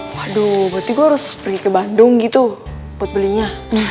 waduh berarti gue harus pergi ke bandung gitu buat belinya